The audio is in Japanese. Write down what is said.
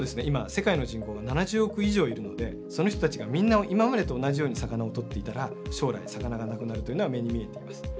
今世界の人口が７０億以上いるのでその人たちがみんな今までと同じように魚を取っていたら将来魚がなくなるというのは目に見えています。